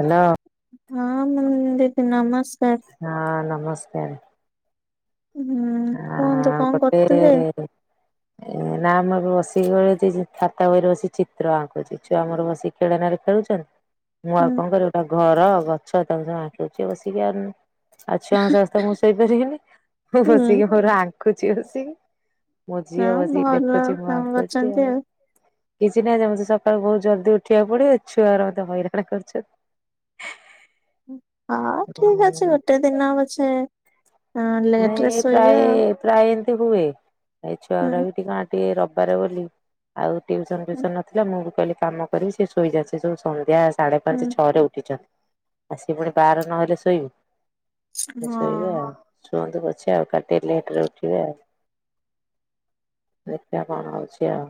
Hello. ହଁ ମାମୁନି ଦିଦି ନମସ୍କାର। ହଁ ନମସ୍କାର। [unintelligible] ହଁ କଣ ଗୋଟେ କରୁଥିଲେ? ଏ ନା ଆମର [unintelligible] ଖାତା ବହିରେ ବସିିକି ଚିତ୍ର ଆଙ୍କୁଚି। ଛୁଆ ଆମର ବସିକି ଖେଳନାରେ ଖେଳୁଚନ୍ତି। ମୁଁ ହୁଁ ଆଉ କଣ କରିବି ଗୋଟା ଘର ଗଛ ତାକୁ ସବୁ ଆଙ୍କୁଚି ବସିକି। [unintelligible] ଆ ଛୁଆ ଙ୍କୁ ସମସ୍ତ ଙ୍କୁ ମୁଁ ଶୋଇପାରିବିନି। ମୁଁ ହୁଁ ବସ୍ ଆଙ୍କୁଚି ବସିକି। ମୋ ହଁ ଝିଅ ବସିକି ଭଲ ଦେଖୁଚି ମୁଁ କାମ ଆଙ୍କୁଚି କରିଛନ୍ତି ଆଉ। କିଛି ନାହିଁ ମତେ ସକାଳୁ ବହୁତ ଜଲଦି ଉଠିବାକୁ ପଡିବ, ଛୁଆ ଗୁରା ମୋତେ ହଇରାଣ କରୁଚନ୍ତି। ହଁ ଠିକ୍ କରୁଛନ୍ତି ଅଛି ଗୋଟେ ଦିନ ପଛେ ହଁ ନାଇଁ ଲେଟରେ ଏ ପ୍ରାୟ ଶୋଇବେ ଆଉ। ପ୍ରାୟ ଏମିତି ହୁଏ। ଏ ଛୁଆ ହୁଁ ଗୁଡା ବି ଟିକେ କଣ ଟିକେ ରବିବାରେ ବୋଲି ଆଉ ଟ୍ୟୁସନ ହୁଁ ଫ୍ୟୁସନ ନଥିଲା। ମୁଁ ବି କହିଲି କାମ କରିବି ସେ ଶୋଇଯା। ସେ ସବୁ ସନ୍ଧ୍ୟା ସାଢେ ହୁଁ ପାଞ୍ଚ ଛଅରେ ଉଠିଛନ୍ତି। ଆ ସେ ପୁଣି ବାର ନହେଲେ ଶୋଇବେ। ଶୋଇବେ ହଁ ଆଉ। ସୁଅନ୍ତୁ ପଛେ ଆଉ କାଲି ଟିକେ ଲେଟ୍ ରେ ଉଠିବେ ଆଉ। ଦେଖିଆ କଣ ହଉଚି ଆଉ।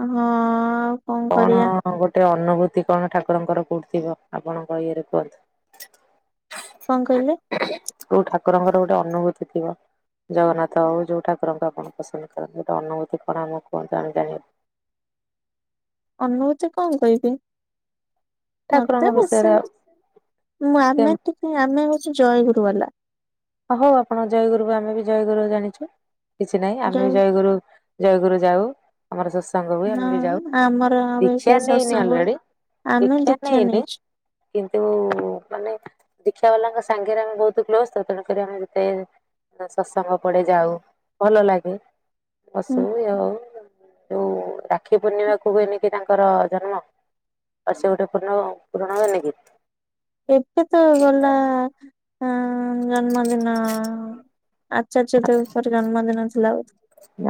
ହଁ ଆଉ କଣ କରିବା। କଣ ଗୋଟେ ଅନୁଭୂତି କଣ ଠାକୁରଙ୍କର କୋଉଠି ଥିବ ଆପଣଙ୍କ ଇଏରେ କୁହନ୍ତୁ। କଣ କହିଲେ? କୋଉ ଠାକୁରଙ୍କର ଗୋଟେ ଅନୁଭୂତି ଥିବ। ଜଗନ୍ନାଥ ହଉ ଯୋଉ ଠାକୁରଙ୍କୁ ଆପଣ ପସନ୍ଦ କରନ୍ତି ଗୋଟେ ଅନୁଭୂତି କଣ ଆମକୁ କୁହନ୍ତୁ ଆମେ ଜାଣିବାୁ ଅନୁଭୂତି କଣ କହିବି? ଠାକୁରଙ୍କ ମତେ ବିଷୟରେ ଆଉ [unintelligible] ମୁଁ କେମିତି ଆମେ ଟିକେ ଆମେ ହଉଚୁ ଜୟଗୁରୁ ବାଲା। ହଉ ଆପଣ ଜୟଗୁରୁ ବି ଆମେ ବି ଜୟଗୁରୁ ଜାଣିଚୁ। କିଛି ନାହିଁ ଆମେ ବି ଜୟ ଜୟଗୁରୁ ଜୟଗୁରୁ ଯାଉ ଆମର ସତସଙ୍ଗ ହୁଏ ଆମେ ବି ହଁ ଯାଉ। ଆମର ଏବେ ସେଇ ଦୀକ୍ଷା ନେଇନି ସତ୍ସଙ୍ଗ ଅଲରେଡି ଆମେ ଦୀକ୍ଷା ନେଇଚୁ। କିନ୍ତୁ ମାନେ ଦୀକ୍ଷା ବାଲାଙ୍କ ସାଙ୍ଗରେ ଆମେ ବହୁତ କ୍ଲୋଜ ତ ତେଣୁ ତେଣୁ ଆମେ ଯେତେ ସତ୍ସଙ୍ଗ ପଡେ ଯାଉ, ଭଲ ଲାଗେ। ହୁଁ ପଶୁ ଇ ହଉ ଯୋଉ ରାକ୍ଷୀ ପୂର୍ଣ୍ଣିମାକୁୁ ହୁଏନି କି ତାଙ୍କର ଜନ୍ମ। ଅ ସେ ଗୋଟେ ପୂର୍ଣ ପୂରଣ ହେବେନି କିି? ଏବେ ତ ଗଲା ଅ ଜନ୍ମଦିନ। ଆଚାର୍ଯ୍ୟ ଦେଙ୍କର ଜନ୍ମଦିନ ଥିଲା ବୋଧେ।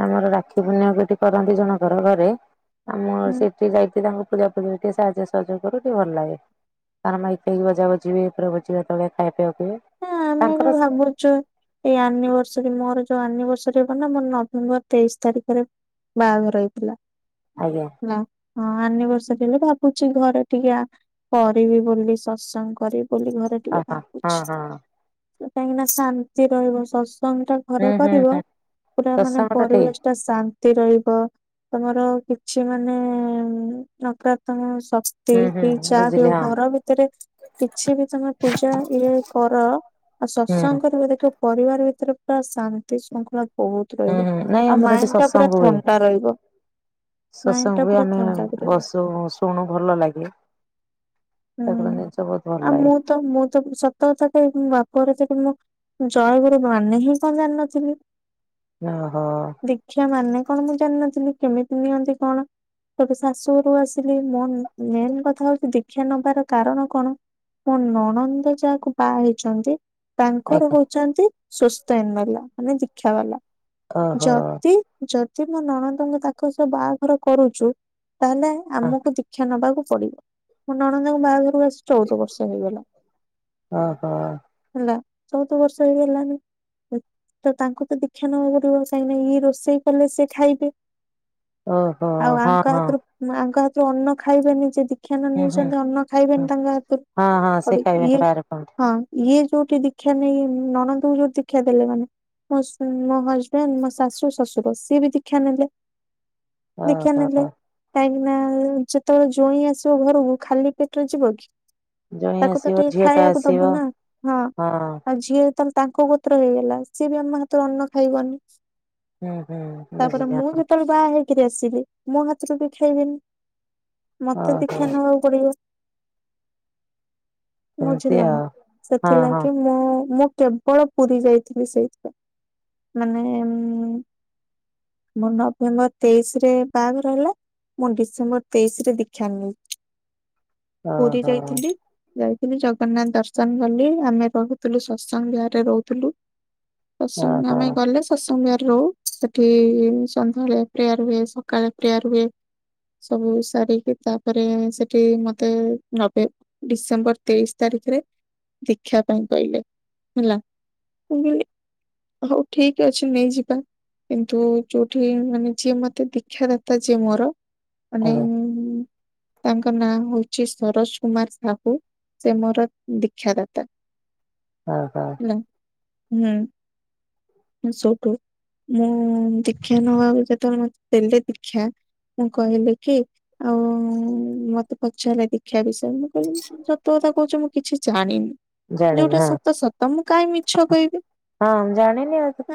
ଆମର ରାକ୍ଷୀ ପୂର୍ଣ୍ଣିମା କୁ ଏଠି କରନ୍ତି ଜଣଙ୍କର ଘରେ ଆମ ହଁ ସେଠ ଟି ଯାଇି ତାଙ୍କୁ ପୂଜା ପୂଜା ଟିକେ ସାହାଯ୍ୟ ସହଯୋଗ କରୁ ଟିକେ ଭଲ ଲାଗେ। ତାଙ୍କର ମାଇକି ଫାଇକି ବଜା ବୁଜି ହୁଏ ପୁରା ଭୋଜି ଭାତ ହୁଏ ଖାଇବା ପିଇବା ହୁଏ। ହଁ ଆମେ ତାଙ୍କର ବି ଭାବୁଛୁ ଏଇ ଆନିଭର୍ସରୀ ମୋର ଯୋଉ ଆନିଭର୍ସରୀ ହବ ନା ମୋ ନଭେମ୍ବର ତେଇଶ ତାରିଖରେ ବାହାଘର ହେଇଥିଲା। ଆଜ୍ଞା। ହେଲା ହଁ ଆନିବର୍ସରୀ ହେଲେ ଭାବୁଛି ଘରେ ଟିକେ କରିବି ବୋଲି ସତ୍ସଙ୍ଗ କରିବି ବୋଲି ଘରେ। ଓ ହଁ। ଅ ହଁ ହୁଁ କାହିଁକି ନା ଶାନ୍ତି ରହିବ ସତ୍ସଙ୍ଗ ଟା ଘରେ ହୁଁ କରିବ ହୁଁ ପୁରା ମାନେ ସତ୍ସଙ୍ଗ ଟା ଠିକ। ପରିବେଶ ପୁରା ଶାନ୍ତି ରହିବ। ତମର କିଛି ମାନେ ନକାତ୍କ ସକ୍ ହୁଁ ହୁଁ କ୍ତି ଯାହା ବି ବୁଝିଲି ହେଉ ହଁ ଘର ଭିତରେ କିଛି ବି ତମେ ପୂଜା ଇଏ କର ଆଉ ହୁଁ ସତ୍ସଙ୍ଗ କରିବ ଦେଖିବ ପରିବାର ଭିତରେ ପୁରା ଶାନ୍ତି ଶୃଙ୍ଖଳା ବହୁତ ହୁଁ ରହିବ ହୁଁ ନାଇଁ ଆଉ ଆମର ମାଇଣ୍ଡ ଟା ପୁରା ଥଣ୍ଟା ରହିବ। ମାଇଣ୍ଡ ଟା ସତସଙ୍ଗ ବି ପୁରା ଆମେ ଥଣ୍ଡା ବି ରହିବ। ବସୁ ଶୁଣୁ ଭଲ ଲାଗେ। ହୁଁ ଠାକୁରଙ୍କ ଜିନିଷ ବହୁତ ଭଲ ଆଉ ଲାଗେ ମୁଁ ତ ମୁଁ ତ ସତ କଥା କହିବି ମୁଁ ବାପଘରେ ଏତେ ମୁଁ ଜୟଗୁରୁ ମାନେ ହିଁ କ ଜାଣିିନଥିଲି। ଓ ହୋ। ଦିକ୍ଷା ମାନେ କଣ ମୁଁ ଜାଣିନଥିଲି କେମିତି ନିଅନ୍ତି କଣ? ତତେ ଶାଶୁରୁ ଆସିଲି ମୋ ମେନ୍ କଥା ହଉଛି ଦି ଦିକ୍ଷା ନବାର କାରଣ କଣ ମୋ ନଣନ୍ଦ ଯାହାକୁ ବାହା ହେଇଛନ୍ତି ତାଙ୍କର ଆଜ୍ଞା ହଉଛନ୍ତି ସ୍ଵସ୍ତୟନୀ ବାଲା ମାନେ ଦୀକ୍ଷା ବାଲା ଓହୋ। ଯଦି ଯଦି ମୋ ନଣନ୍ଦଙ୍କ ତାଙ୍କ ସହ ବାହାଘର କରୁଛୁ ତାହେଲେ ଆମକୁ ଦୀ୍କ୍ଷା ନବାକୁ ପଡିବ। ମଁ ନଣନ୍ଦଙ୍କ ବାହାଘରକୁ ଆସି ଚଉଦ ବର୍ଷ ହେଇଗଲା। ଓହୋ। ହେଲା ଚଉଦ ବର୍ଷ ହେଇ ଗଲାଣି। ତ ତାଙ୍କୁ ତ ଦୀକ୍ଷା ନବାକୁ ପଡିବ କାଇ ନା ଇଏ ରୋଷେଇ କଲେ ସିଏ ଖାଇବେ। ଓହୋ ଆଉ ହଁ ଆଙ୍କ ହଁ ହାତରୁ ଆଙ୍କ ହାତରୁ ଅନ୍ନ ଖାଇବେନି ଯେ ଦି ଦିକ୍ଷା ନ ହୁଁ ନେଇଛନ୍ତି ହୁଁ। ଅନ୍ନ ଖାଇବେନି ତାଙ୍କ ହାତରୁ ହଁ ହଁ ସେ ହେଟୁ ଇଏ ଖାଇବେନି ବାହାରେ କଣ ହଁ ଇଏ ଯୋଉଠି ଦୀକ୍ଷଷା ନେଇ ନଣନ୍ଦକୁ ଯୋଉ ଦୀକ୍ଷା ଦେଲେ ମାନେ ମୋ ହଜବେଣ୍ଡ ମୋ ଶାଶୁ ଶଶୁର ସିଏ ବି ଦିକ୍ଷା ନେଲେ। ଦିକ୍ଷା ନେଲେ ଓହୋ କାହିଁକି ନା ଯେତେବେଳେ ଜଇଁ ଆସ ତୋ ଘରକୁ ଖାଲି ପେଟରେ ଯିବ କି? ଜଣେ ତାକୁ ତ ଆସିବ ଟିକେ ଝିଅ ଟା ଖାଇବାକୁ ଆସିବ। ଦବୁ ନା ହଁ ଆଉ ଯିଏ ତାହେଲେ ତାଙ୍କ ତ୍ର ହେଇଗଲା ସିଏ ବି ଆମ ହାତରେ ଅନ୍ନ ଖାଇଗନି ହୁଁ ହୁଁ ତାପରେ ବୁଝିଲି ମୁଁ ହଁ ଯେତେବେଳେ ବାହା ହେଇକରି ଆସିବି ମୋ ହାତରୁ ବି ଛୁଇଁବେନି। ତ ଓହୋ ଦୀକ୍ଷା ନେବାକୁ ପଡିବ। ଏମିତି ବୁଝିଲ ନା ଆଉ। ହଁ ହଁ ସେଥିଲାଗି ମୁଁ ମୁଁ କେ କେବଳ ପୁରୀ ଯାଇଥିଲି ସେଇଥି ପାଇଁ ମାନେ ମୋ ନଭେମ୍ବର ତେଇଶି ରେ ବାଘଘର ହେଲା ମୁଁ ଡିସେମ୍ବର ତେଇଶ ରେ ଦି କ୍ଷା ନେଲି ପୁରୀ ଓହୋ ଯାଇଥିଲି। ଯାଇଥିଲି ଜଗନ୍ନାଥ ଦର୍ଶନ ଗଲି ଆମେ ରହୁଥିଲୁ ସତସଙ୍ଗ ଵିହରେ ରହୁଥିଲୁ। ସତସଙ୍ଗ ଓହୋ ଆମେ ଗଲେ ସତସଙ୍ଗ ବିହାରରେ ରହୁ ସେଠି ସନ୍ଧ୍ୟାରେ ପ୍ରେୟାର ହୁଏ ସକାଳେ ପ୍ରେୟାର ହୁଏ। ସବୁ ସାରିକି ତାପରେ ସେଠି ମତେ ନଭ ଡିସେମ୍ବର ତେଇଶି ତାରିଖରେ ଦୀକ୍ଷା ପାଇଁ କହିଲେ ହେଲା ମୁଁ କହିଲି ହଉ ଠିକ ଅଛି ନେଇଯିବା। କିନ୍ତୁ ଯୋଉଠି ମାନେ ଯିଏ ମତେ ଦୀକ୍ଷାଦାତା ଯିଏ ମୋର ମାନେ ଆଜ୍ଞା ତାଙ୍କ ନାଁ ହଉଛି ସରୋଜ କୁମାର ସାହୁ ସେ ମୋର ଦୀକ୍ଷା ଦାତା। [inaudible] ଅ ହଁ ହୁଁ ଶଉଠୁ [unintelligible] ମୁଁ ଦୀକ୍ଷା ନବାକୁ ଯେତେବେଳେ ମତେ ଦେଲେ ଦୀକ୍ଷା ମୁଁ କହିଲି କି ଆଉ ହଁ ମତେ ପଚାରିଲେ ଦୀକ୍ଷା ବିଷୟରେ ମୁଁ କହିଲି ସତ କଥା କହୁଛ ମୁଁ କିଛି ଜାଣିନି। ଜାଣିନି ଯୋଉଟା ହଁ। ସତ ସତ ମୁଁ କାହିଁକି ମିଛ କହିବି। ହଁ ଜାଣନି ଆଉ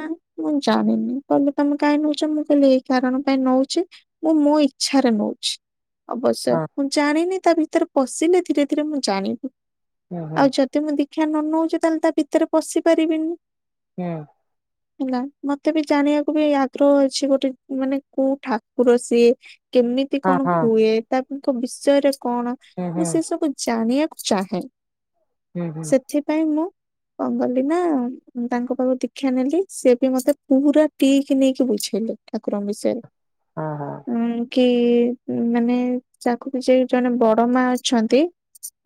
ମୁଁ ଜାଣିନି କହିଲେ ତମେ କାଇ ନଉଚ ମୁଁ କହିଲି ଏଇ କାରଣ ପାଇଁ ନଉଚି। ମୁଁ ମୋ ଇଚ୍ଛାରେ ନଉଛି। ଅବଶ୍ୟ ମୁଁ ଜାଣିନି ତା ଭିତରେ ପଶିଲେ ଧୀରେ ଧୀରେ ମୁଁ ଜାଣିବି ହଁ ହୁଁ ଆଉ ଯ ଯଦି ମୁଁ ଦୀକ୍ଷା ନ ନଉଚି ତାହେଲେ ତା ଭିତରେ ପଶି ପାରିବିନି। ହୁଁ [inaudible] ହେଲା ମତେ ବି ଜାଣିବାକୁ ବି ଆଗ୍ରହ ଅଛି ଗୋଟେ ମାନେ କୋଉ ଠାକୁର ସିଏ। କେମିତି ହଁ କଣ ହଁ ହୁଏ ତାଙ୍କ ବିଷୟରେ କଣ ହୁଁ ହୁଁ ମୁଁ ସେ ସବୁ ଜାଣିବାକୁ ଚାହେଁ। ହୁଁ ହୁଁ ସେଥିପାଇଁ ମୁଁ କଣ କାଲି ନା ତାଙ୍କ ପାଖକୁ ଦୀକ୍ଷା ନେଲି ସେ ବି ମତେ ପୁରା ଟିକି ନିକି ବୁଝେଇଲେ। ଠାକୁରଙ୍କ ବିଷୟରେ। ହଁ ହଁ ଉଁ କି ମାନେ ତାଙ୍କୁ ବିଯେଇ ଜଣେ ବଡ ମା ଅଛନ୍ତି।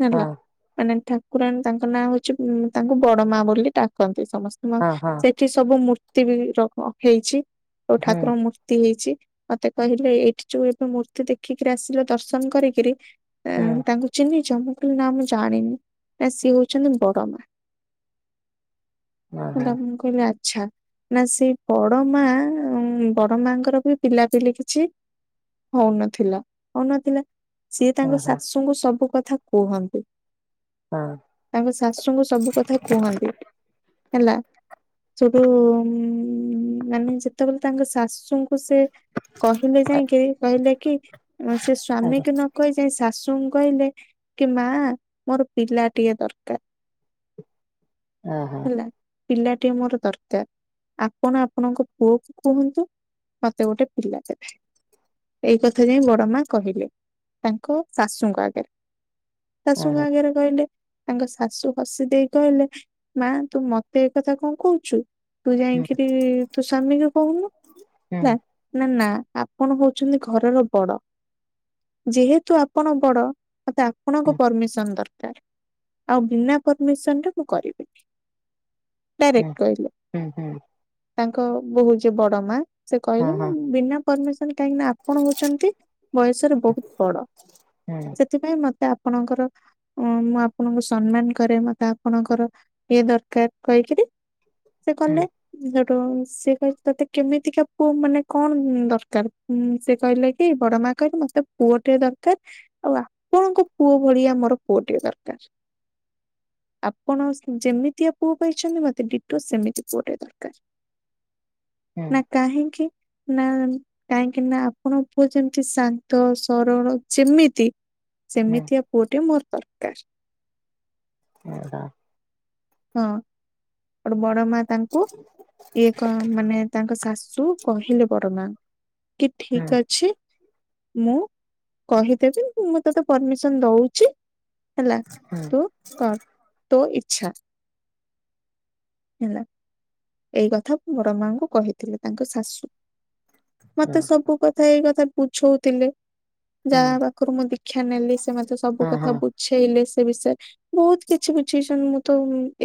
ହେଲା ହଁ ମାନେ ଠାକୁରାଣୀ ତାଙ୍କ ନାଁ ହଉଛି ତାଙ୍କୁ ବଡ ମା ବୋଲି ଡାକନ୍ତି ସମସ୍ତେ ମା ହଁ ହଁ ସେ ଏଠି ସବୁ ମୂର୍ତ୍ତି ବି ର ହେଇଛି ସବୁ ହୁଁ ଠାକୁରଙ୍କ ମୂର୍ତ୍ତି ମୂର୍ତ୍ତି ହେଇଛି ମତେ କହିଲେ ଏଇଠି ଯୋଉ ଏବେ ମୂର୍ତ୍ତି ଦେଖିକିରି ଆସିଲ ଦର୍ଶନ କରିକିରି ହୁଁ ତାଙ୍କୁ ଚିହ୍ନିଚ ମୁଁ କହିଲି ନା ମୁଁ ଜାଣିନି ନା ସିଏ ହଉଛନ୍ତି ବଡମା। ଓହୋ ହେଲା ମୁଁ କହିଲି ଆଚ୍ଛା। ନା ସେ ବଡ ମା ବଡ ମାଙ୍କର ବି ପିଲାପିଲି କିଛି ହଉନଥିଲା। ହଉନଥିଲା ସିଏ ଓହୋ ତାଙ୍କ ହଁ ଶାଶୁଙ୍କୁ ସବୁ କଥା କୁହନ୍ତି। ହଁ ତାଙ୍କ ଶାଶୁଙ୍କୁ ସବୁ କଥା କୁହନ୍ତି ହେଲା। ସେଠୁ ଉ ମାନେ ଯେତେବେଳେ ତାଙ୍କ ଶାଶୁଙ୍କୁ ସେ କହିଲେ ଯାଇକି କହିଲେ କି ସେ ସ୍ଵାମୀ ଆଜ୍ଞା କି ନ କହି ଯାଇ ଶାଶୁଙ୍କୁ କହିଲେ କି ମା ମୋର ପିଲା ଟିଏ ଦରକାର। [inaudible] ଅ ହଁ ହେଲା ପିଲାଟିଏ ମୋର ଦରକାର ଆପଣ ଆପଣଙ୍କ ପୁଅଙ୍କୁ କୁହନ୍ତୁ। ମତେ ଗୋଟେ ପିଲା ଦେବେ ଏଇ କଥା ଯାଇ ବ ଡ଼ମା କହିଲେ ତାଙ୍କ ଶାଶୁଙ୍କ ଆଗରେ ଓହୋ ଶାଶୁଙ୍କ ଆଗରେ କହିଲେ। ତାଙ୍କ ଶାଶୁ ହସିଦେଇ କହିଲେ, ମା ତୁ ମତେ ଏ କଥା କଣ କହୁଚୁ? ତୁ ହୁଁ ଯାଇଙ୍କିରି ତୁ ସ୍ଵାମୀକୁ କହୁନୁ ହେଲା। ହୁଁ ନା, ନା ଆପଣ ହଉଛନ୍ତି ଘରର ବଡ। ଯେହେତୁ ଆପଣ ବଡ, ମତେ ଆପଣଙ୍କ ପରମିସନ୍ ଦରକାର୍। ଆଉ ବିନା ପରମିସନ୍ ରେ ମୁଁ କରିବିନି। ହୁଁ ହୁଁ ଡାଇରେକ୍ଟ କହିଲେ, ହୁଁ ହୁଁ ତାଙ୍କ ବୋହୁ ଯିଏ ବଡ ମା। ସେ ହଁ କହିଲେ ହଁ ମୁଁ ବିନା ପରମିସନ୍ କାହିଁକି ନା ଆପଣ ହଉଚନ୍ତି ବୟସରେ ବହୁତ୍ ବଡ, ହୁଁ ସେଥିପାଇଁ ମତେ ଆପଣଙ୍କର ଅ ମୁଁ ଆପଣଙ୍କୁ ସମ୍ମାନ କରେ, ମତେ ଆପଣଙ୍କର ଇଏ ଦରକାର୍ କହିକିରି ସିଏ କଲେ ହୁଁ [unintelligible] ଟୁ, ସିଏ କହିଲେ ତତେ କେମିତିକା ପୁଅ ମାନେ କଣ ଦରକାର୍ ଉଁ ସିଏ କହିଲେ କି ବଡ ମା କହିଲେ ମତେ ପୁଅ ଟେ ଦରକାର୍। ଆଉ ଆପଣଙ୍କ ପୁଅ ଭଳିଆ ମୋର ପୁଅଟିଏ ଦରକାର୍। ଆପଣ ଯେମିତିଆ ପୁଅ ପାଇଛନ୍ତି ମତେ ଡିଟୋ ସେମିତି ପୁଅଟାଏ ଦରକାର୍। ହୁଁ ନା କାହିଁକି, ନା କାହିଁକିନା ଆପଣ ପୁଅ ଯେମିତି ଶାନ୍ତ ସରଳ ଯେମିତି ହୁଁ ସେମିତିଆ ପୁଅଟିଏ ମୋର ଦରକାର୍। [inaudible] ହଁ। ହୋଉଟୁ ବଡ ମା ତାଙ୍କୁ ଇଏ କଣ ମାନେ ତାଙ୍କ ଶାଶୁ କହିଲେ ବଡ ମାଙ୍କୁ କି ହୁଁ ଠିକ୍ ଅଛି ମୁଁ କହିଦେବି ମୁଁ ତୋତେ ପରମିସନ୍ ଦଉଚି ହେଲା, ହୁଁ ତୁ କର୍ ତୋ ଇଚ୍ଛା। ହେଲା। ଏଇ କଥା ମୋ ବଡ଼ମାଙ୍କୁ କହିଥିଲେ ତାଙ୍କ ଶାଶୁ, ହୁଁ ମତେ ସବୁ କ ଥା ଏଇ କଥା ବୁଝଉଥିଲେ, ହୁଁ ଯାହା ପାଖରୁ ମୁଁ ଦୀକ୍ଷା ନେଲି ସେ ମତେ ହଁ ସବୁକଥା ହଁ ବୁ ବୁଝେଇଲେ ସେ ବିଷୟରେ। ବହୁତ୍ କିଛି ବୁଝେଇଛନ୍ତି, ମୁଁ ତ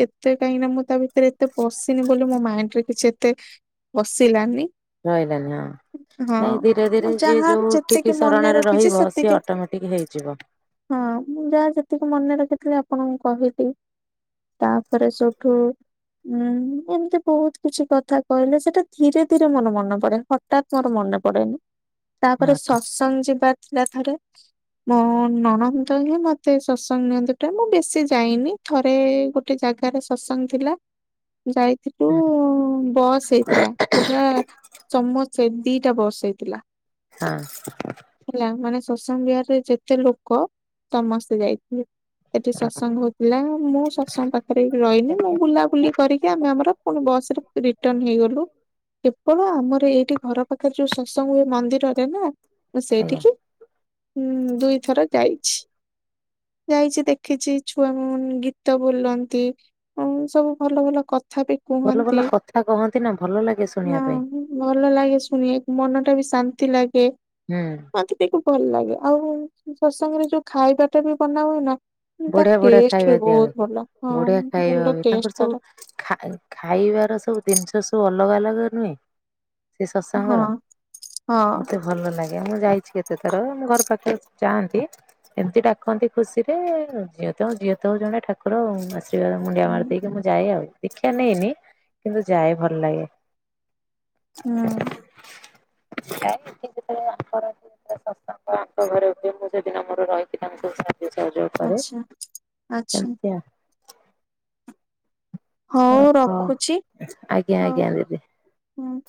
ଏତେ କାହିଁକିନା ମୁଁ ତା ଭିତରେ ଏତେ ପଶିନି। ମୁଁ କହିଲି ମୋ ମାଇଣ୍ଡରେ କିଛି ଏତେ ପସିଲାନି। ରହିଲାନି ହଁ। ନାଇଁ ମୁଁ ଧୀରେ-ଧୀରେ ଯିଏ ଯାହା ଯେତିକି ଯୋଉଠିକି ମନେ ଶରଣରେ ରଖିଛି ରହିବ, ସିଏ ସେତିକି ଅଟୋମେଟିକ୍ ହେଇଯିବ। ହଁ ମୁଁ ଯାହା ଯେତିକି ମନେ ରଖିଥିଲି ଆପଣଙ୍କୁ କହିଲି। ତାପରେ ସୋଉଠୁ ଉଁ ଏମ୍ତି ବହୁତ୍ କିଛି କଥା କହିଲେ, ସେଟା ଧୀରେ-ଧୀରେ ମୋର ମନେ ପଡେ ହଟାତ୍ ମୋର ମନେ ପଡେନି। ତାପରେ ହଁ ସତ୍ସଙ୍ଗ ଯିବାର ଥିଲା ଥରେ। ମୋ ନଣନ୍ଦ ହିଁ ମତେ ସତ୍ସଙ୍ଗ ନିଅନ୍ତି ପ୍ରାୟ, ମୁଁ ବେଶୀ ଯାଇନି। ଥରେ ଗୋଟେ ଜାଗାରେ ସତ୍ସଙ୍ଗ ଥିଲା। ଯାଇଥିଲୁ ହଁ ହଁ, ବସ୍ ହେଇଥିଲା। ପୁରା ସମସ୍ତେ ଦିଟା ବସ୍ ହେଇଥିଲା। ହଁ। ହେଲା ମାନେ ସତ୍ସାଙ୍ଗ ବିହାରରେ ଯେତେ ଲୋକ ସମସ୍ତେ ଯାଇଥିଲେ। ସେଠି ସତ୍ସଙ୍ଗ ହଉଥିଲା ମୁଁ ସତ୍ସଙ୍ଗ ପାଖେରେ ରହିନି, ମୁଁ ବୁଲାବୁଲି [unintelligible] ଆମେ ଆମର ପୁଣି ବସ୍ ରେ ରିଟର୍ନ ହେଇଗଲୁ। କେବଳ ଆମର ଏଇଠି ଘର ପାଖେରେ ଯୋଉ ସତ୍ସଙ୍ଗ ହୁଏ ମନ୍ଦିରରେ ନା, ମୁଁ ଆଜ୍ଞା ସେଇଠିକି ଉଁ ଦୁଇଥର ଯାଇଛି। ଯାଇଛି ଦେଖିଛି ଛୁଆ [unintelligible] ଗୀତ ବୋଲନ୍ତି [unintelligible] ସବୁ ଭଲ-ଭଲ କଥା ବି କୁହନ୍ତି। ଭଲ-ଭଲ କଥା କହନ୍ତି ନା, ଭଲ ଲାଗେ ହଁ ଶୁଣିବା ପାଇଁ। ଭଲ ଲାଗେ ଶୁଣିଆକୁ, ମନଟା ବି ଶାନ୍ତି ଲାଗେ। ହୁଁ। ମତେ ଟିକେ ଭଲ ଲାଗେ ଆଉ ସତ୍ସଙ୍ଗ ରେ ଯୋଉ ଖାଇବାଟା ବି ବନା ହୁଏ ନା ତାର ବଢିଆ ବଢିଆ ଟେଷ୍ଟ ଖାଇବା ବି ଦିଆ ହୁଏ ବହୁତ ଭଲ ହଁ ବଢିଆ ଖାଇବା ଭଲ ହୁଏ ତାଙ୍କର ଟେଷ୍ଟ। ସବୁ ତାର। ଖାଇ ଖାଇବାର ସବୁ ଜିନିଷ ସବୁ ଅଲଗା ଅଲଗା ନୁହେଁ। ସେ ହଁ ଶତ୍ସଙ୍ଗର ହଁ ମତେ ଭଲ ଲାଗେ ମୁଁ ଯାଇଛି କେତେ ଥର ଆମ ଘର ପାଖରେ ତ ଚାହାନ୍ତି ଏମିତି ଡାକନ୍ତି ଖୁସିରେ ତ ଝଅ ତ ହଉ ଜଣେ ଠାକୁର। ଆଶୀର୍ବାଦ ମୁଣ୍ଡିଆ ମାରି ଦେଇକି ମୁଁ ଯାଏ ଆଉ ଦୀକ୍ଷା ନେଇନି କିନ୍ତୁ ଯାଏ ଭଲ ଲାଗେ। ହୁଁ। ଏଠି ଯେତେବେଳେ [unintelligible] ସତ୍ସଙ୍ଗ ଆଙ୍କ ଘରେ ହୁଏ ମୁଁ ସେଦିନ ମୋର ରହିକି ତାଙ୍କୁ ସବୁ ଆଚ୍ଛା। ଆଚ୍ଛା ଚାଲିଚି ଆଉ। ଓ ହଉ ହ ରଖୁଛି। ଆଜ୍ଞା ହଁ ଆଜ୍ଞା ଦିଦି। ହୁଁ।